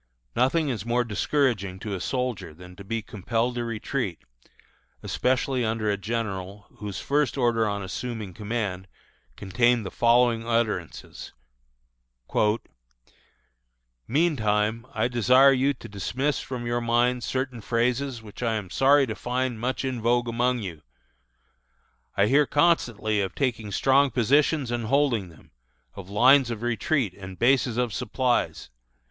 Nothing is more discouraging to a soldier than to be compelled to retreat, especially under a general whose first order on assuming command contained the following utterances: "Meantime, I desire you to dismiss from your minds certain phrases which I am sorry to find much in vogue among you. "I hear constantly of taking strong positions and holding them of lines of retreat and of bases of supplies.